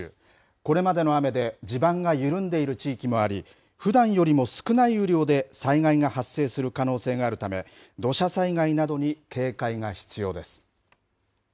これまでの雨で、地盤が緩んでいる地域もあり、ふだんよりも少ない雨量で災害が発生する可能性があるため、土砂災害などに警戒が必要です。